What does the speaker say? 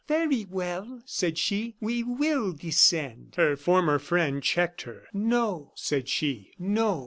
"Very well," said she, "we will descend." Her former friend checked her. "No," said she, "no!